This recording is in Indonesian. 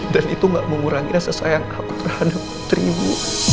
dan itu gak mengurangi rasa sayang aku terhadap putri ibu